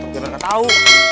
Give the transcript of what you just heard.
biar mereka tau